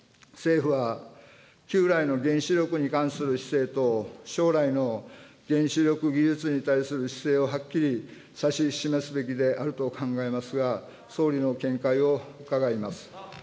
政府は旧来の原子力に関する姿勢と、将来の原子力技術に対する姿勢をはっきり指し示すべきであると考えますが、総理の見解を伺います。